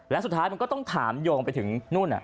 และสุดท้ายมันก็ต้องถามโยงไปถึงนู่น